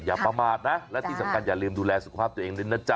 อย่าประมาทนะและที่สำคัญอย่าลืมดูแลสุขภาพตัวเองด้วยนะจ๊